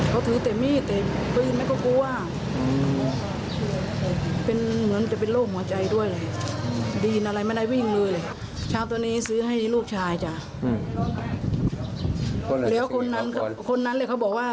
เพราะหลังจากซื้อแล้ว